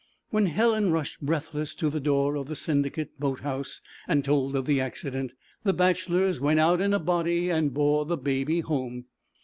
When Helen rushed breathless to the door of the Syndicate boat house and told of the accident, the bachelors went out in a body and bore the Baby home.